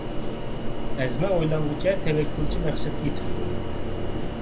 ئەزمە ئويلانغۇچە، تەۋەككۈلچى مەقسەتكە يېتىپتۇ.